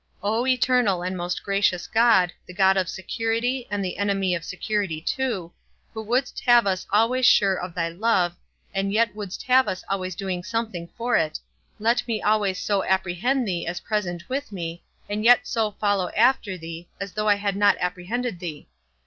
O eternal and most gracious God, the God of security, and the enemy of security too, who wouldst have us always sure of thy love, and yet wouldst have us always doing something for it, let me always so apprehend thee as present with me, and yet so follow after thee, as though I had not apprehended thee.